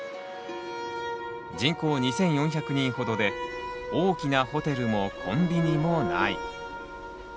人口２，４００人ほどで大きなホテルもコンビニもない。